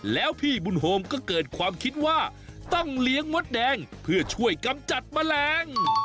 แล้วพี่บุญโฮมก็เกิดความคิดว่าต้องเลี้ยงมดแดงเพื่อช่วยกำจัดแมลง